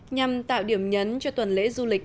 nhằm tạo điểm nhấn cho tuần lễ du lịch